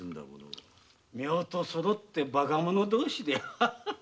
夫婦そろってバカ者同士じゃ。